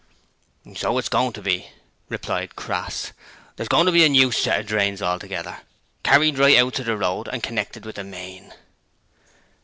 'So it is going to be,' replied Crass. 'There's going to be a new set of drains altogether, carried right out to the road and connected with the main.'